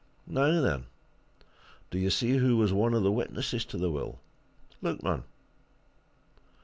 Now, then do you see who was one of the witnesses to the will? Look, man!"